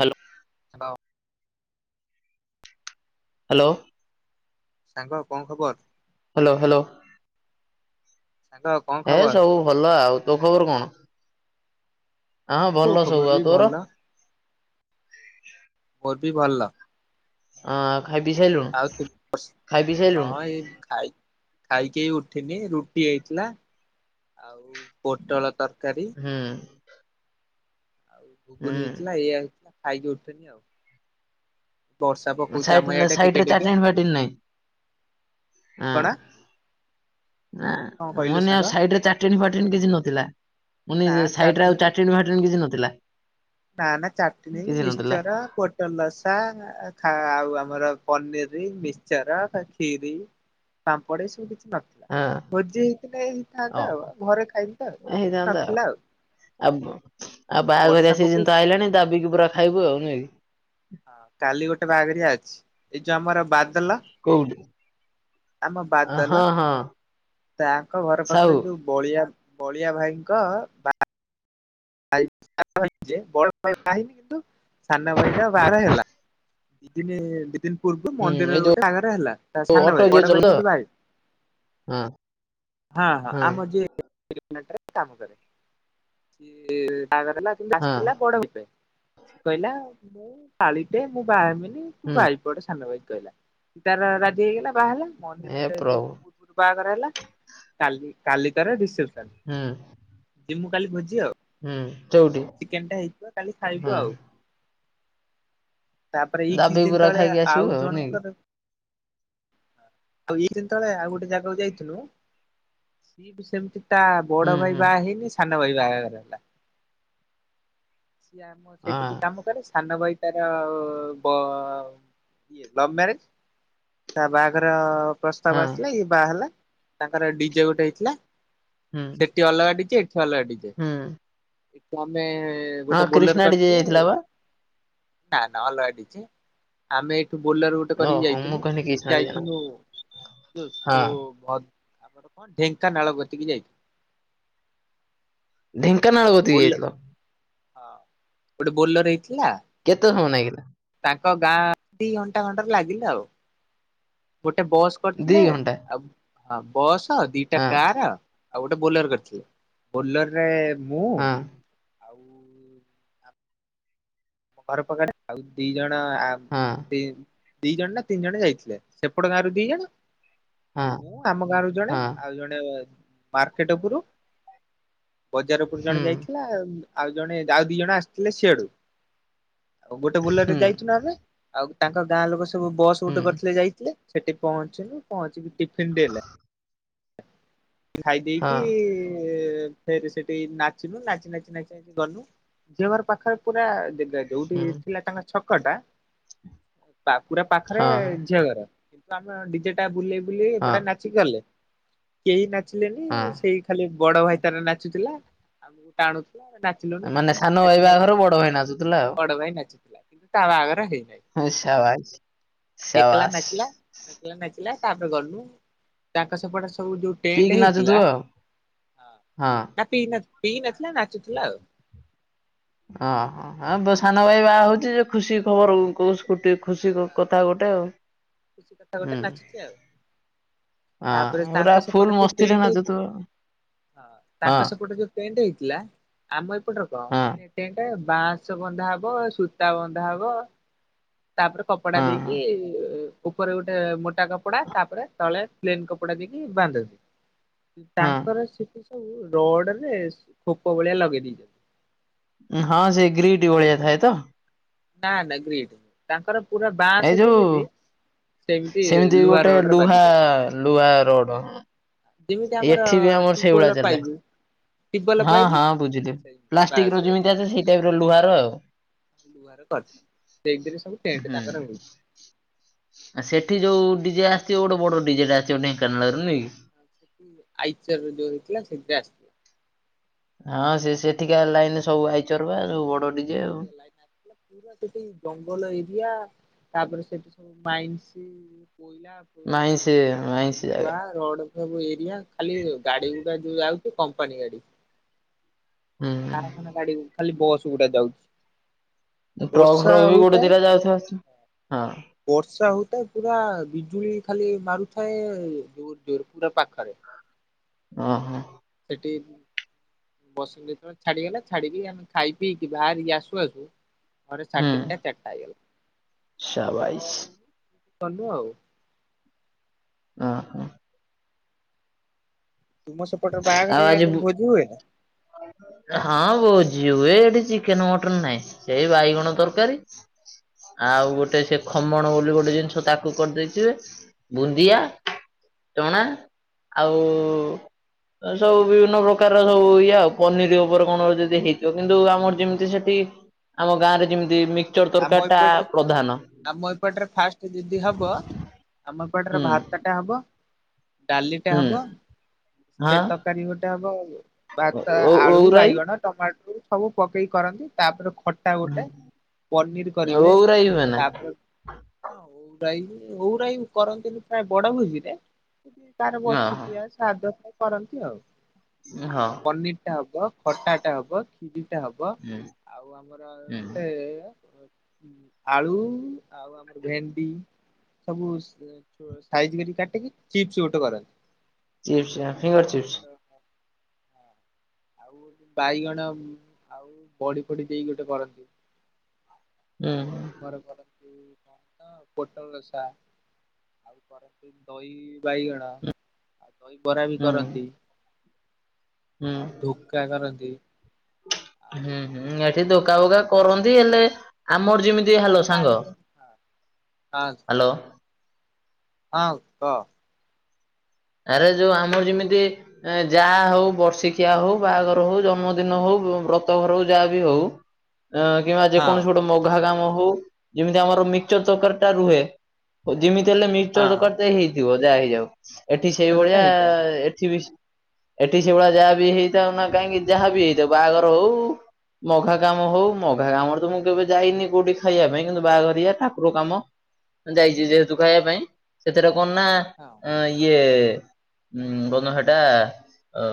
Hello! [inaudible] Hello! ସାଙ୍ଗ କ'ଣ ଖବର? Hello hello! ସାଙ୍ଗ କଣ ଏ ଖବର ସବୁ ଭଲ ଆଉ, ତୋ ଖବର କ'ଣ? ହଁ, ମୋ ଭଲ ଖବର ସବୁ ବି ଆଉ ତୋର? ଭଲ ମୋର ବି ଭଲ। ଅଁ ଖାଇ ପି ସାଇଲୁଣୁ, ଖାଇ ପି ସାଇଲୁଣୁ? ଏ ଖାଇ ଖାଇକି ଏଇ ଉଠିନି ରୁଟି ହେଇଥିଲା, ଆଉ ପୋଟଳ ତରକାରୀ। ହୁଁ। ଆଉ ଘୁଗୁନ ହେଇଥିଲା ହୁଁ ଏଇଆ ହେଇଥିଲା ଖାଇକି ଉଠୁନି ଆଉ। ବର୍ଷା ପକଉଛି ଆମ ସାଇଟ ଇଆଡେ ଟିକେ ସାଇଟରେ ଟିକେ [inaudible] ଫାଟି ନାହିଁ, ହଁ। କଣ ନା, କଣ ମୁଁ କହିଲୁ କହିଲି ଆଉ ସାଙ୍ଗ ସାଇ ରେ ଚାଟିଣି ଫାଟିଣି କିଛି ନଥିଲା, ମୁଁ ନା କହିଲି ଚାଟଣୀ ସାଇଟରେ ଆଉ ଚା ଟିନ ଫାଟିନ କିଛି ନଥିଲା। ନା, ନା, ଚାଟି ନେଇଁ କିଛି ନଥିଲା ମିଶ୍ଚର ପୋଟଳ ଲସା ଖା ଆଉ ଆମର ପନିର, ମିକ୍ସଚର, ଖିରି। ପାମ୍ପଡ ଏସବୁ କିଛି ନ ହଁ ଭୋଜି ହେଇଥିଲେ ହେଇଥାନ୍ତା ଆଉ, ଓହୋ। ଘରେ ଖାଇଲୁ ଆଉ କିଛି ନଥିଲା ଆଉ। ଆଉ ଆଉ ବର୍ଷା ବାହାଘରିଆ ସିଯିନ୍ ପକଉଛି ତ ଆଇଲାଣି ଦାବିକି ପୁରା ଖାଇବୁ ଆଉ ନୁହେଁ କି? ହଁ, କାଲି ଗୋଟେ ବାହାଘରିଆ ଅଛି, ଏଇ ଯୋଉ ଆମର ବାଦଲ କୋଉଠି ଆମ ଅ ବାଦଲ ହଁ, ହଁ। ତାଙ୍କ ଘର ପାଖରେ ସାହୁ ଯୋଉ ବଳିଆ ବଳିଆ ଭାଇଙ୍କ ବା [unintelligible] ବଡ ଭାଇ ବାହା ହେଇନି କିନ୍ତୁ ସାନ ଭାଇଟା ବାହଘର ହେଲା। ଦି ଦିନିରେ ଦି ଦିନ ପୂର୍ବରୁ ହୁଁ ଏଇ ମନ୍ଦିରରେ ଗୋଟେ ବାହାଘର ହେଲା, ତା ଯୋଉ ସାନ ଅଟୋ ଭାଇର ଯିଏ ବଡ଼ ଭାଇ ଚଲା କିନ୍ତୁ ବାହାହେ ହଁ। ହଁ, ହଁ, ଆମ ଯିଏ [inaudible] କାମ କରେ, ସିଏ ବାହାଘର ହେଲା। କିନ୍ତୁ ହଁ ଆସିଥିଲା ବଡଭାଇ ପାଇଁ ସେ କହିଲା ମୁଁ କାଳିଟେ ମୁଁ ବାହାହେବିନି ତୁ ହୁଁ ବାହା ପଡ ସାନଭାଇକୁ କହିଲା ତାର ରାଜି ହେଇଗଲା ବାହା ହେଲା ଏ ମନ୍ଦିରରେ ଦି ପ୍ରଭୁ ଦିନ ପୂର୍ବରୁ ବାହାଘର ହେଲା। କାଲି କାଲି ତାର ରିସେପ୍ସନ୍। ହୁଁ। ଯିମୁ କାଲି ଭୋଜି ଆଉ। ହୁଁ। ଚଉଠି ଚିକେନଟା ହେଇଥିବ କାଲି ହଁ ଖାଇବୁ ଆଉ। ତାପରେ ଏଇ କିଛି ଦାବି ଦିନ ପୁରା ତଳେ ଖାଇକି ଆସିବୁ ଆଉ ନାଇଁ କି ଜଣଙ୍କର ଆଉ ଏଇ ଦିନ ତଳେ ଆଉ ଗୋଟେ ଜାଗାକୁ ଯାଇଥିଲୁ। ସିଏ ବି ସେମିତି ତା ହୁଁ ବଡ ଭାଇ ହୁଁ ବାହାହେଇନି ସାନ ଭାଇ ବାହାଘର ହେଲା। ସିଏ ଆମ ସେଇଠି ହଁ ବି କାମ କରେ ସାନ ଭାଇ ତାର ଭ ଇଏ ଲଭ ମ୍ୟାରେଜ ତା ବାହାଘର ହଁ ପ୍ରସ୍ତାବ ଆସିଲା ଇଏ ବାହା ହେଲା ତାଙ୍କର ଡିଜେ ଗୋଟେ ହେଇଥିଲା, ହୁଁ ସେଠି ଅଲଗା ଡିଜେ ଏ ଠୁ ଅଲଗା ଡିଯେ ହୁଁ। ତ ଆମେ ହଁ ଗୋଟେ ବୋଲେର କ୍ରିଷ୍ଣା ଡିଜେ କରିଥିଲେ। ଯାଇଥିଲା ବା ନା, ନା, ଅଲଗା ଡିଜେ ଆମେ ବୋଲାରୋ ଗୋଟେ କରିକି ଓହୋ ମୁଁ ଯାଇଥିଲୁ କହିଲି ସିଏ କ୍ରିଷ୍ଣା ଡିଜେ ନା ଯାଇଥିଲୁ ଯୋଉ ହଁ ସୋ ଭ ଆମର କଣ ଢେଙ୍କାନାଳ ଗତିକି ଯାଇଥି ଢେଙ୍କାନାଳ ଗତିକି ବୋଲେ ଯାଇଥିଲ? ହଁ ଗୋଟେ ବୋଲର ହେଇଥିଲା? କେତେ ସମୟ ଲାଗିଲା? ତାଙ୍କ ଗାଁ ଦି ଘଣ୍ଟା ଘଣ୍ଟାରେ ଲାଗିଲା ଆଉ। ଗୋଟେ ବସ୍ ଦି କରିଥିଲେ ଘଣ୍ଟା ଆଉ ହଁ ବସ୍ ଦିଟା ହଁ କାର ଆଉ ଗୋଟେ ବୋଲର କରିଥିଲେ। ବୋଲରରେ ମୁଁ ହଁ ଆଉ ମୋ ଘର ପାଖରେ ଆଉ ଦି ଜଣ ଆ ହଁ ଦି ଜଣ ନା ତିନି ଜଣ ଯାଇଥିଲେ ସେପଟ ଗାଁରୁ ଦି ଜଣ ଆଉ ହଁ ମୁଁ ଆମ ଗାଁରୁ ଜଣେ ହଁ ଆଉ ଜଣେ ମାର୍କେଟ ଉପରୁ ବଜାର ଉପରୁ ହୁଁ ଜଣେ ଯାଇଥିଲା ଆଉ ଜଣେ ଆଉ ଦିଜଣ ଆସିଥିଲେ ସିଆଡୁ। ଆଉ ଗୋଟେ ବୁଲେଟ୍ ରେ ହୁଁ ଯାଇଥିଲୁ ଆମେ ଆଉ ତାଙ୍କ ଗାଁ ଲୋକ ସବୁ ବସ୍ ହୁଁ ଗୋଟେ କରିଥିଲେ ଯାଇଥିଲେ। ସେଠି ପହଞ୍ଚିଲୁ ପହଞ୍ଚିକି ଟିଫିିନ ଦେଲେ। ଖାଇ ହଁ ଦେଇକି ଫେରି ସେଠି ନାଚିଲୁ ନାଚି ନାଚି ନାଚି ନାଚି ଗଲୁ ଝିଅ ଘର ପାଖରେ ପୁରା ଜ ଯୋଉଠି ହୁଁ ଥିଲା ତାଙ୍କ ଛକ ଟା ତା ପୁରା ପାଖରେ ହଁ ଝିଅ ଘର। କିନ୍ତୁ ଆମେ ଡିଜେ ଟା ବୁଲେଇ ବୁଲେଇ ହଁ ଏପଟେ ନାଚିକି ଗଲେ। କେହି ନାଚିଲେନି ହଁ ସେଇ ଖାଲି ବଡ ଭାଇ ତାର ନାଚୁଥିଲା ଆମକୁ ଟାଣୁଥିଲା ନାଚୁ ମାନେ ସାନ ଭାଇ ବାହାଘର ବଡ ଭାଇ ନାଚୁଥିଲା ଆଉ। ବଡ଼ ଭାଇ ନାଚି ଥିଲା। ତା ଆଗରେ ହେଇନାହିଁ। ହଁ ଶବାସ ସାବାସ। ଏମିତି ଆ ନାଚିଲା ତାପରେ ଗଲୁ ତାଙ୍କ ସେପଟେ ସବୁ ଯୋଉ ପିଇକି ଟେଣ୍ଟ ହେଇଥିଲା ନାଚୁଥିବ ଆଉ। ହଁ ନା ପ ପିଇ ନଥିଲା ନାଚୁଥିଲା ଆଉ। ଓଁ ତାଙ୍କ ସାନ ଭାଇ ସେପଟେ ବାହା ହଉଚି ଯେ ଖୁସି ଖବର ଖୁସିରେ କଟେ ଖୁସି କଥା ଗୋଟେ ତ କିଛି କଥା ଗୋଟେ ନାଚି ଚି ଆଉ। ହଁ ତାପରେ ପୁରା ତାଙ୍କ ଫୁଲ ସେପଟେ ମସ୍ତିରେ ଟେଣ୍ଟ୍ ନାଚୁଥିବ ହେଇଥିଲା ହଁ ହଁ ତାଙ୍କ ସେପଟେ ଯୋଉ ପେଣ୍ଟ ହେଇଥିଲା, ଆମ ଏପଟରେ ହଁ କଣ ହେଲେ ଟେଣ୍ଟ ବାଁସ ବନ୍ଧା ହବ ସୂତା ବନ୍ଧା ହବ ତାପରେ କପଡା ହଁ ଦେଇକି ଉପରେ ଗୋଟେ ମୋଟା କପଡା ତାପରେ ତଳେ ପ୍ଲେନ କପଡା ଦେଇକି ବାନ୍ଧବି ହଁ। ତାଙ୍କର ସେଠି ସବୁ ରଡରେ ଖୋପ ଭଳିଆ ଲଗେଇ ଦେଇଛନ୍ତି। ହଁ ସେ ଗ୍ରୀଟି ଭଳିଆ ଥାଏ ତ? ନା ନା ଗ୍ରିଟ ତାଙ୍କର ପୁରା ଏଇ ବାଁସ ଯୋଉ ଯେମିତି ସେମିତି ଲୁହା ଗୋଟେ ରୋଡରେ ଲୁହା ବାଗିଯା ଲୁହା ରୋଡ ଯେମିତି ଆମର ଏଠି ବି ଆମର ଟିବଲ ସେଇଭଳିଆ ଚାଲେ। ପାଇପ୍ ଟିବଲ ହଁ ପାଇପ୍ ହଁ ବୁଝିଲି ପ୍ଲାଷ୍ଟିକ ବାସ୍ ର ବାସ୍ ଯେମିତି ଆ ସେଇ ଟାଇପ ର ଲୁହାର ଆଉ। ଲୁହାର କରଥା ସେଇଥିରେ ସବୁ ଟେଣ୍ଟ ତାଙ୍କର ହ ଆ ସେଠି ଯୋଉ ଡିଜେ ଆସିଥିବ ଗୋଟେ ବଡ ଡିଜେ ଟା ଆସଥିବ ନେଇ କୋନଳ ରୁ ନେଇ କି ସେଠି ଆଇଚର ଯୋଉ ହେଇଥିଲା ସେଇଥିରେ ଆସଥିଲା। ହଁ ସେ ସେଠିକା ଲାଇନରେ ସବୁ ଆଇଚର ବା ସବୁ ବଡ ଡିଜେ ଆଉ। ନାଇ [unintelligible] ପୁରା ସେଠି ଜଙ୍ଗଲ ଏରିଆ ତାପରେ ସେଠି ସବୁ ମାଇନ୍ସି କୋଇଲା ଫୋଇଲା ମାଇଁ ସେ ଜାଗା ମାଇଁ ସେ ଲୁହା ଜାଗା। ରଡ ସବୁ ଏରିଆ ଖାଲି ଗାଡି ଗୁଡା ଯୋଉ ଯାଉଚି କମ୍ପାନୀ ଗାଡି। କାରଖାନା ହୁଁ ଗାଡି ଖାଲି ବସ୍ ଗୁଡା ଯାଉଚି। ଟ୍ରକ୍ ଫ୍ରକ୍ ବି ଗୋଟେ ଦି ଟା ଯାଉଥବ ହଁ। ବର୍ଷା ହଉଥାଏ ପୁରା ବିଜୁଳି ଖାଲି ମାରୁଥାଏ ଜୋର ଜୋର ପୁରା ପାଖରେ। ଓ ହ। ସେଠି ବସ ଯେତେବେଳେ ଛାଡିଗଲା ଛାଡ଼ିକି ଆମେ ଖାଇ ପିଇକି ବାହାରିକି ଆସୁ ଆସୁ ଘରେ ସାଢ଼େ ହୁଁ ତିନିଟା ଚାରିଟା ହେଇଗଲା ତାପରେ ସାବାଇସ୍ ଶୋଇକି ଗଲୁ ଆଉ। ହଁ ହଁ। ତୁମ ସେପଟେ ଆଉ ବାହାଘରିଆ ଆଜି ବୁ ଭୋଜି ହୁଏ ନା। ହଁ ଭୋଜି ହୁଏ ଏଠି ଚିକେନ ମଟନ ନାଇଁ। ସେଇ ବାଇଗଣ ତରକାରୀ ଆଉ ହଁ ଗୋଟେ ସେ ଖମଣ ବୋଲି ଗୋଟେ ଜିନିଷ ତାକୁ କରିଦେଇଥିବେ ବୁନ୍ଦିଆ ଚଣା ହଁ ଆଉ ସବୁ ବିଭିନ୍ନ ପ୍ରକାରର ସବୁ ଇଏ ଆଉ ପନିର ଉପରେ କଣ ଯଦି ହେଇଥିବ କିନ୍ତୁ ଆମର ଯେମିତି ସେଠି ଆମ ଗାଁ ରେ ଯେମିତି ମିକ୍ସଚର ଆମ ତରକାରୀ ଟା ଏପଟରେ ତ ପ୍ରଧାନ। ଆମ ଏପଟରେ ଫାଷ୍ଟ ଯଦି ହବ ଆମ ଏପଟରେ ହୁଁ। ଭାତ ଟା ହବ। ଡାଲିଟା ହୁଁ ହବ। ହଁ ସେଟ ତରକାରୀ ଗୋଟେ ହବ ଭାତ ଓ ଆଳୁ ଓଉରାଇ ବାଇଗଣ ଟମାଟୋ ସବୁ ପକେଇ କରନ୍ତି ତାପରେ ଖଟା ଗୋଟେ ପନିର କରିବେ ଓଉରାଇ ହୁଏ ନା? ତାପ ହଁ ଅଉ ରାଇ ଅଉ ରାଇ କରନ୍ତିନି ପ୍ରାୟ ବଡ ଭୋଜିରେ। କାର ଓହୋ ବର୍ଷିକିଆ ସାଦ କରନ୍ତି ଆଉ ହଁ ଆମର ପନିର ଟା ହବ ଖଟାଟେ ହବ ଖିରିଟେ ହବ ହୁଁ ଆଉ ଆମର ହୁଁ। ଗୋଟେ ଆଳୁ ଆଉ ଆମର ଭେଣ୍ଡି ସବୁ ସାଇଜ୍ କରି କାଟିକି ଚିପ୍ସ ଗୋଟେ କରନ୍ତି। ଚିପ୍ସ ଆଉ ଫିଙ୍ଗର ଚିପ୍ସ। ଆମର ଆଉ ବାଇଗଣ ଆଉ ବଢ଼ି ଫଡି ଦେଇକି ଗୋଟେ କରନ୍ତି। ହୁଁ ଆଉ ହୁଁ ଆମର କରନ୍ତି କଣ ତ ପୋଟଳ ରସା। ଆଉ କରନ୍ତିୁ ଦହି ବାଇଗଣ ଆଉ ଦହି ବରା ବି ହୁଁ। କରନ୍ତି। ହୁଁ। ଧୁକା କରନ୍ତି। ଆଉ ହୁଁ ହୁଁ କଣ ଏଠି ସେଟା ଧୁକା ବୋକା କରନ୍ତି ହେଲେ ଆମର ଯେମିତି ହ୍ୟାଲୋ ସାଙ୍ଗ ଆଁ। ହ୍ୟାଲୋ। ହଁ କହ। ଆରେ ଯୋଉ ଆମର ଯେମିତି ଯାହା ହଉ ବର୍ଷିକିଆ ହଉ ବାହାଘର ହଉ ଜନ୍ମଦିନ ହଉ ବ ବ୍ରତଘର ହଉ ଯାହା ବି ହଉ। ଅ କିମ୍ବା ଯେକୌଣସି ହଁ ଗୋଟେ ମଘା ଗାମ ହଉ ଯେମିତି ଆମର ମିକସଚର ତରକାରୀ ଟା ରୁହେ ଯେମିତି ହେଲେ ମିକଚର ହଁ। ତରକାରୀ ହେଇଥିବ ଯାହା ହେଇଯାଉ ଏଠି ତରକାରୀଟା ସେଇଭଳିଆ ହେଇଥାଏ ହଁ ଏଠି ସେଭଳିଆ ଯାହା ବି ହେଇଥାଉ ନା କାହିଁକି ଯାହା ବି ହେଇଥାଉ ବାହାଘର ହଉ ମଘା କାମ ହଉ ମଘା କାମରେ ତ ମୁଁ କେବେ ଯାଇନି କୋଉଠି ଖାଇବା ପାଇଁ କିନ୍ତୁ ବାହାଘରିଆ ଠାକୁର କାମ ଯାଇଛି ଯେହେତୁ ଖାଇବା ପାଇଁ ସେଥିରେ କଣ ନା ହଁ। ଅ, ଇଏ ଉଁ [unintelligible] ଏ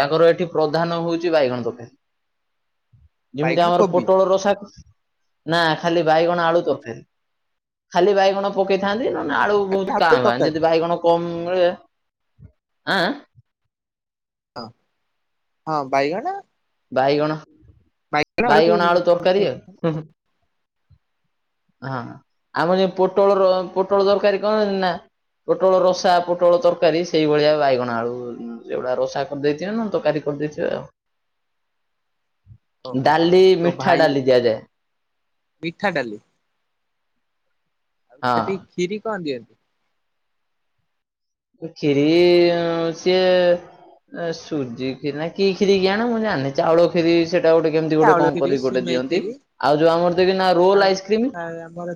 ତାଙ୍କର ଏଠି ପ୍ରଧାନ ହଉଛି ବାଇଗଣ ବୋଧେ [inaudible] ଯେମିତି ଆମର କୋବି ପୋଟଳ ରସା କ ନା ଖାଲି ବାଇଗଣ ଆଳୁ ତରକାରୀ ଖାଲି ବାଇଗଣ ପକେଇଥାନ୍ତି ନା ଆଳୁ ବହୁତ କା ଆଳୁ ଭା ବା ତରକାରୀ ଯଦି ବାଇକଣ କମ ମିଳେ ଆଁ। ହଁ ହଁ ବାଇଗଣ ବାଇଗଣ ବାଇଗଣ ଆଳୁ ତରକାରୀ ଆ ହଁ ଆମର ଯେ ପୋଟଳର ପୋଟଳ ତରକାରୀ କଣ ନା। ପୋଟଳ ରସା ପୋଟଳ ତରକାରୀ ସେଇଭଳିଆ ବାଇଗଣ ଆଳୁ ସେଗୁଡା ରଷା କରିଦେଇଥିବେ ନା ତରକାରୀ କରିଦେଇଥିବେ ଆଉ। ଓହୋ ଡାଲି ତୋ ମିଠା ଭାଇ ଡାଲି ଦିଆଯାଏ। ମିଠା ଡାଲି। ଆଉ ହଁ। ସେଠି କ୍ଷୀରି କଣ ଦିଅନ୍ତି? ଏ କ୍ଷୀରି ଅଁ, ସିଏ ଏ ସୁଜି କ୍ଷୀରି ନା କି କ୍ଷୀରି କିଆଣ ମୁଁ ଜାଣିିନି। ଚାଉଳ କ୍ଷୀରି ସେଟା ଗୋଟେ କେମିତି ଗୋଟେ ଚାଉଳ କଣ କ୍ଷୀରି କରିବି ଗୋଟେ ସିମେଇ ଦିଅନ୍ତି। କ୍ଷୀରି ଆଉ ଯୋଉ ଆମର ଦେଖି ନା ରୋଲ୍ ଆଇସ୍କ୍ରିମ୍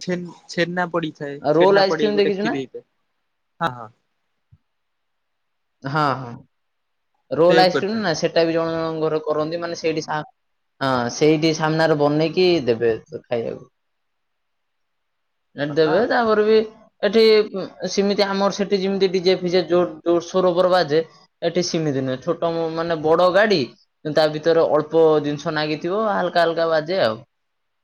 ଛେନ୍ ଛେନା ପଡିଥାଏ ରୋଲ୍ ଛେନୃ ପଡି ଆଇସ୍କ୍ରିମ୍ ଗୋଟେ ଦେଖିଛୁ ନା? କ୍ଷୀରି ହେଇଥାଏ। ହଁ ହଁ ରୋଲ୍ ସେଉ ଆଇସ୍କ୍ରିମ୍ କରିଥାନ୍ତି ନା ସେଟା ବି ଜଣ ଜଣଙ୍କ ଘରେ କରନ୍ତି। ମାନେ ସେଇଠି ସା ହଁ ସେଇଠି ସାମ୍ନାରେ ବନେଇକି ଦେବେ ସେ ଖାଇବାକୁ। [unintelligible] ନା ଭଲ ଦେବେ ଆଉ ତାପରେ ବି ଏଠି ଉଁ, ସିମିତି ଆମର ସେଠି ଯେମିତି ଡିଜେ ଫିଜେ ଜୋର ସୋର ବର ବାଜେ ଏଠି ସିମିତି ନୁହେଁ। ଛୋଟ ଉଁ, ମାନେ ବଡ ଗାଡି [unintelligible] ତା ଭିତରେ ଅଳ୍ପ ଜିନିଷ ନାଗିଥିବ ହାଲକା ହାଲକା ବାଜେ ଆଉ।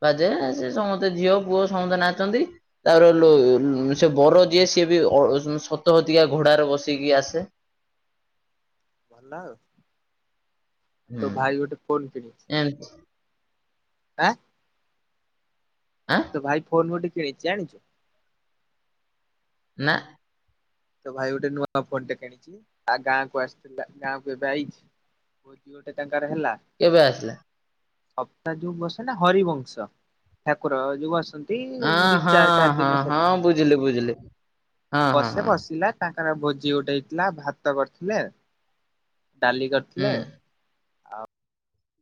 ବାଜେ ସେ ସମସ୍ତେ ଝିଅ ପୁଅ ସମସ୍ତେ ନାଚନ୍ତି। ତାପର ହଁ ଲୋ-ସେ ବର ଯିଏ ସିଏ ବି ଅ, ଉଁ, ସତ ସତିକା ଘୋଡାର ବସିକି ଆସେ। ଭଲ ଆଉ। ତୋ ଭାଇ ଗୋଟେ ଫୋନ୍ କିଣିଛି। ଜାଣିଛି। ଆ ଆଁ ତ ଭାଇ ଫୋନ୍ ଗୋଟେ କିଣିଚି ଜାଣିଛୁ? ନା। ତ ଭାଇ ଗୋଟେ ନୂଆ ଫୋନ୍ ଟେ କିଣିଛି। ଆ, ଗାଁକୁ ଆସିଥିଲା ଗାଁ କୁ ଏବେ ଆଇଛି। ମୋଦି ଗୋଟେ ତାଙ୍କର ହେଲା। କେବେ ଆସିଲା? ହପ୍ତା ଯୋଉ ବସେନା ହରିବଂଶ ଠାକୁର ଯୋଉ ବସନ୍ ଅଁ, ହଁ, ହଁ, ହଁ ବୁଝିଲି ବୁଝିଲି ହଁ, ହଁ। ସେ ହଁ ବସିଲା ତାଙ୍କର ଭୋଜି ଗୋଟେ ହେଇଥିଲା ଭାତ କରିଥିଲେ, ଡାଲି କର ହୁଁ ଥିଲେ।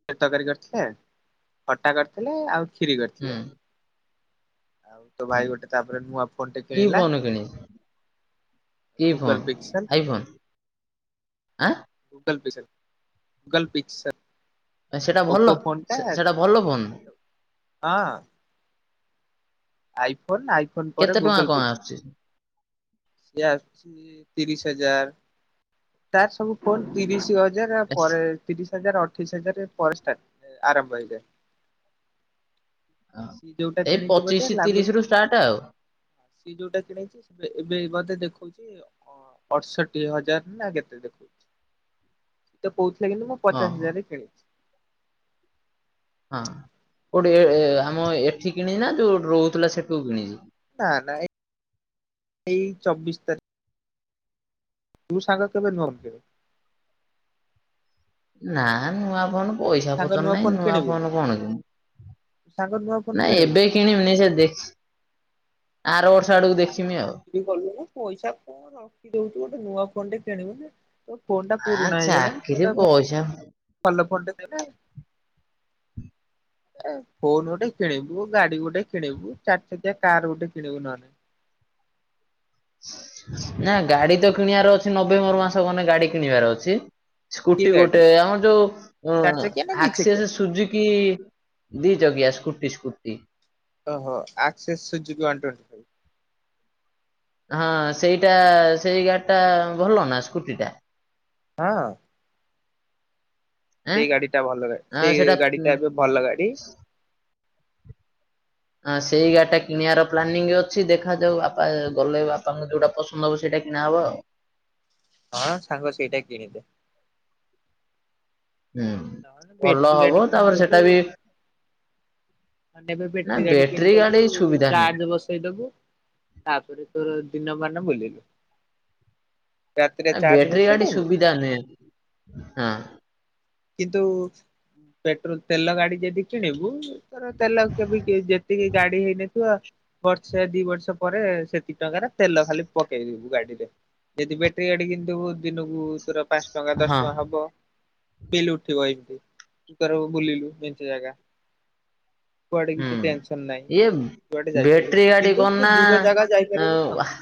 [inaudible] ତରକାରୀ କରିଥିଲେ ଖଟା କରିଥିଲେ, ଆଉ କ୍ଷୀରି ହୁଁ କରିଥିଲେ। ଆଉ ତୋ ହୁଁ ଭାଇ ଗୋଟେ ତାପରେ ନୂଆ ଫୋନ୍ ଟେ କି କିଣିଲା। ଫୋନ କିଣିଚୁ? କି Google phone Pixel iPhone ଆଁ? ଗୁଗଲ ପିସେଲ ଗୁଗଲ ପିକ୍ସେ ଏ ସେଟା ଭଲ ସେ-ସେଟା ଭଲ ଫୋନ୍। ହଁ। ଆଇଫୋନ୍ ନା ଆଇଫୋନ୍ ପରେ କେତେ ଟଙ୍କା ଗୁଗଲ କଣ ପିକ୍ସେଲ? ଆସୁଛି? ସିଏ ଆସୁଛି ତିରିଶ ହଜାର ତାର ସବୁ ଫୋନ୍ ତିରିଶ ହଜାର ଏସ୍, ପରେ ତିରିଶ ହଜାର ଅଠେଇଶି ହଜାରେ ପରେ ଷ୍ଟାର୍ଟ ଏ ଆରମ୍ଭ ହେଇଯାଏ। ହଁ। ସି ଯୋଉଟା ଏଇ କିଣିଚି ପଚିଶ ବୋଧେ ତିରିଶ ଲାଗୁ ରୁ ଷ୍ଟାର୍ଟ ଆଉ ସେ ଯୋଉଟା କିଣେଇଚି ସେବେ ଏ ବେ ବୋଧେ ଦେଖଉଛି ଅ, ଅଡଷଟି ହଜାର ନା କେତେ ଦେଖଉ ତ କହୁଥିଲା କିନ୍ତୁ ମୁଁ ହଁ ପଚାଶ ହଁ ହଜାର ରେ କିଣିବି। ହଁ କୋଉଠି ଏ ଏ ହେଇଥିବ ଆମ କଣ ଏଠି କିଣିିଚି ନା ଯୋଉଠି ରହୁଥିଲା ସେଠୁ କିଣିଚି? ନା ନା ଏଇ ଚବିଶ ତାରି ତୁ ସାଙ୍ଗ କେବେ ନହନ କେବେ। ନା ନୂଆ ଫୋନ୍ ତୁ ପଇସା ସାଙ୍ଗ ପତ୍ର ନାଇଁ ଫୋନ ନୂଆ କିଣିବୁନି ଫୋନ୍ ତୁ କଣ କିଣିବୁ। ସାଙ୍ଗ ନୂଆ ଫୋନ ନାଇଁ ଏବେ କିଣିବୁନି କିଣିମିନି ସେ ଦେ ଆର ବର ତ ସାଙ୍ଗ ଚାକିରି କଲୁଣୁ। ପଇସା କଣ ରଖି ଦେଉଚୁ ଗୋଟେ ନୂଆ ଫୋନ୍ ଟେ କିଣିବୁ ନା। ତ ଫୋନ୍ ଟା ପୁରୁଣା ହେଇଗଲାଣି ସେଟା କ ଯାହା ଭଲ ଫୋନ୍ ଟେ ନେଲା। ଏ ଫୋନ୍ ଗୋଟେ କିଣିବୁ, ଗାଡି ଗୋଟେ କିଣିବୁ, ଚାରିଚକିଆ କାର ଗୋଟେ କିଣିବୁ ନହଲେ। ନା ଗାଡି ତ କିଣିବାର ଅଛି ନଭେମ୍ବର ମାସ ମାନେ ଗାଡି କିଣିବାର ଅଛି। କି ସ୍କୁଟି ଗାଡି ଗୋଟେ, ଆମର ଯୋଉ ଚାରି ଅ- ଚକିଆ ନା ଦି ଚକିଆ ଆକ୍ସେସ ସୁଜୁକୀ ଦି ଚକିଆ ସ୍କୁଟି ସ୍କୁଟି। ଓହୋ ଆକ୍ସେସ୍ ସୁଜୁକୀ ୱାନ ଟ୍ବେଣ୍ଟି। ହଁ ସେଇଟା ସେଇ ଗାଡି ଟା ଭଲ ନା ସ୍କୁଟି ଟା? ହଁ। ସେଇ ଗାଡି ଟା ଭଲ ଗାଡି, ଆଁ ସେଇ ସେଟା ଗାଡି ଟା ଏବେ ଭଲ ଗାଡି। ହଁ ସେଇ ଗାଡିଟା କିଣିବାର ପ୍ଲାନିଂ ଅଛି, ଦେଖାଯାଉ ବାପା ଗଲେ ବାପାଙ୍କୁ ଯୋଉଟା ପସ ମୋର ସେଟା କିଣା ହବ ଆଉ। ହଁ ସାଙ୍ଗ ସେଇଟା କିଣିଦେ। ହୁଁ, ନହେଲେ ଭଲ ବ୍ୟାଟେରୀ ଗାଡି ହବ ତାପରେ କିଣିଦବୁ। ସେଟା ବି ଆମେ ଏବେ ନା ବ୍ୟାଟେରୀ ଗାଡି କିଣିଦବୁ ଗାଡି ସୁବିଧା ନୁହେଁ। ଚାର୍ଜ ବସେଇ ଦବୁ। ତାପରେ ତୋର ଦିନମାନ ବୁଲିଲୁ। ରାତିରେ ଚାର୍ଜ ଆବ୍ୟାଟେରୀ ଗାଡି ବସେଇଦବୁ। ସୁବିଧା ନୁହେଁ, ହଁ। କିନ୍ତୁ ପେଟ୍ରୋଲ, ତେଲ ଗାଡି ଯଦି କିଣିବୁ ତର ତେଲ କେବେ ଯେତିକି ଗାଡି ହେଇନଥିବ ବର୍ଷେ ଦି ବର୍ଷ ପରେ ସେତିିକି ଟଙ୍କାର ତେଲ ଖାଲି ପକେଇଦବୁ ଗାଡିରେ। ଯଦି ବ୍ୟାଟେରୀ ଗାଡ଼ି କିଣିଦବୁ ଦିନକୁ ତୋର ପାଞ୍ଚ ଟଙ୍କା, ଦଶ ଟଙ୍କା ହଁ। ହବ। ବିଲ ଉଠିବ ଏମତି ତୁ ଧର ବୁଲିଲୁ ମେଞ୍ଚେ ଜାଗା। କୁଆଡେ ହୁଁ କିଛି ଟେନସନ ନାହିଁ ଇଏ ଯୁଆଡେ ଯାଇପାରିଲୁ, ବ୍ୟାଟେରୀ ଗାଡି କିନ୍ତୁ କଣ ଟିକେ ଦୂର ଜାଗା ଯାଇପାରିବୁନୁ ନା ଆଉ।